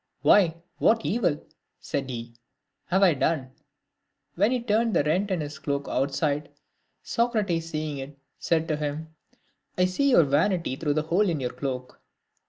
" Why, what evil," said he, " have I done ?" When he turned the rent in his cloak outside, Socrates seeing it, said to him, " I see your vanity through the hole in your cloak."